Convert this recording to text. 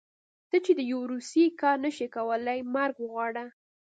ته چې د يو روسي کار نشې کولی مرګ وغواړه.